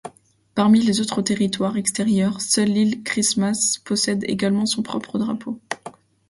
Parmi les autres territoires extérieurs, seul l'île Christmas possède également son propre drapeau.